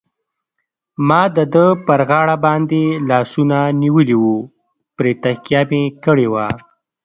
ما د ده پر غاړه باندې لاسونه نیولي وو، پرې تکیه مې کړې وه.